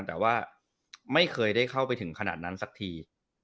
แต่ว่าไม่เคยได้เข้าไปถึงขนาดนั้นสักที